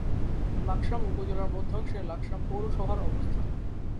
লাকসাম উপজেলার মধ্যাংশে লাকসাম পৌরসভার অবস্থান।